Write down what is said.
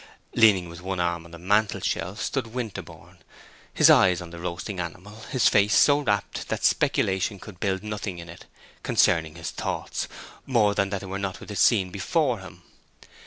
Leaning with one arm on the mantle shelf stood Winterborne, his eyes on the roasting animal, his face so rapt that speculation could build nothing on it concerning his thoughts, more than that they were not with the scene before him.